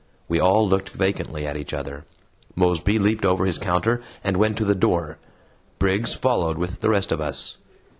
We all looked vacantly at each other; Mosby leaped over his counter and went to the door; Briggs followed with the rest of us.